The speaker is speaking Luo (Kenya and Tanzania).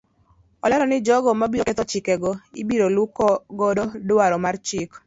Olero ni jogo mabiro ketho chike go ibiro luu godo dwaro mar chik.